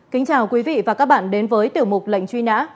kính chào quý vị và các bạn đến với tiểu mục lệnh truy nã